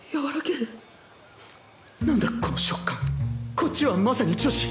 こっちはまさに女子。